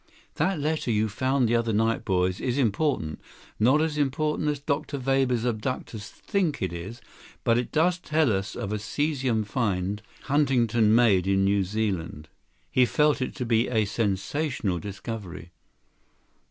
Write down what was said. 74 "That letter you found the other night, boys, is important. Not as important as Dr. Weber's abductors think it is, but it does tell of a cesium find Huntington made in New Zealand. He felt it to be a sensational discovery."